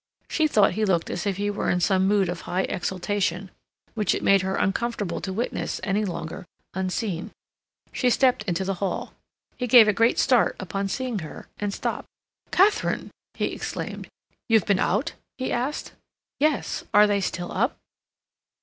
She thought he looked as if he were in some mood of high exaltation, which it made her uncomfortable to witness any longer unseen. She stepped into the hall. He gave a great start upon seeing her and stopped. "Katharine!" he exclaimed. "You've been out?" he asked. "Yes.... Are they still up?"